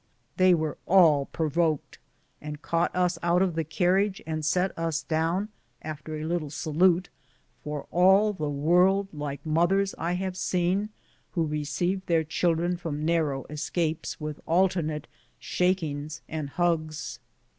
They were all provoked, and caught us out of the carriage and set us down, after a little salute, for all the world like mothers I have seen who receive their children from narrow escapes with alternate shakings and hugs.